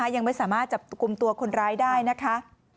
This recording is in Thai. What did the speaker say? ยังไม่สามารถจับกลุ่มตัวคนร้ายได้นะคะ